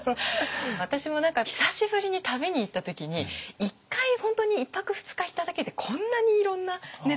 私も何か久しぶりに旅に行った時に１回本当に１泊２日行っただけでこんなにいろんなネタがっていうので。